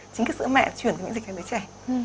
chính cái sữa mẹ chuyển những dịch ra cho đứa trẻ